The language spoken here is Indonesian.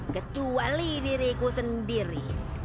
kecuali diriku sendiri